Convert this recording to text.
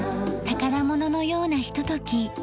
宝物のようなひととき。